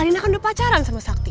alina kan udah pacaran sama sakti